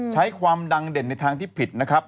ใช้ความดังเด่นในทางที่ผิดนะครับ